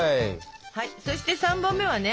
そして３本目はね。